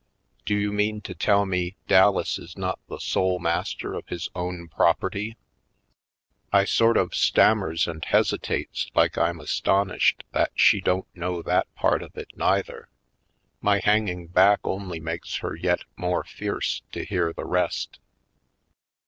"Do you mean to tell me Dallas is not the sole master of his own property?" 212 /. Poindexter, Colored I sort of stammers and hesitates like I'm astonished that she don't know that part of it, neither. My hanging back only makes her yet more fierce to hear the rest.